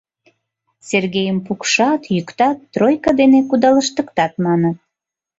Сергейым пукшат, йӱктат, тройка дене кудалыштыктат» маныт.